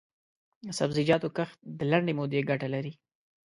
د سبزیجاتو کښت د لنډې مودې ګټه لري.